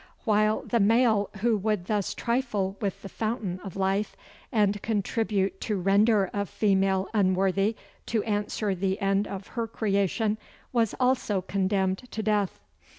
While the male who would thus trifle with the fountain of life, and contribute to render a female unworthy to answer the end of her creation, was also condemned to death.